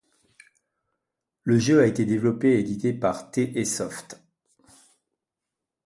Le jeu a été développé et édité par T&E Soft.